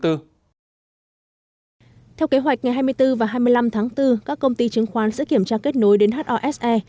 theo kế hoạch ngày hai mươi bốn và hai mươi năm tháng bốn các công ty chứng khoán sẽ kiểm tra kết nối đến hose